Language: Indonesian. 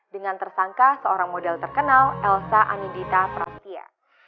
dengan tersangka seorang model terkenal elsa anindita prasetya